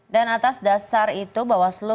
dan atas dasar itu bahwasu